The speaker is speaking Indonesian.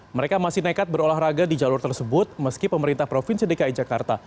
mereka masih nekat berolahraga di jalur tersebut meski pemerintah provinsi dki jakarta